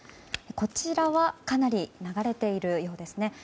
こちらはかなり流れているようですね。